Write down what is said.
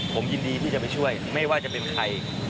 ผมยินดีที่จะไปช่วยไม่ว่าจะเป็นใคร